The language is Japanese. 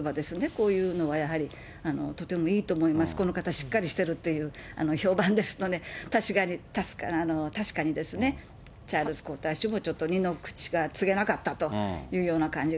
こういうのがやはり、とてもいいと思います、この方、しっかりしてるっていう評判ですので、確かにですね、チャールズ皇太子もちょっと二の口がつげなかったというような感